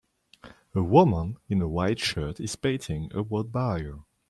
A woman in a white shirt is painting a road barrier.